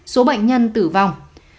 số bệnh nhân tử vong